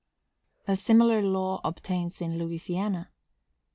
A similar law obtains in Louisiana.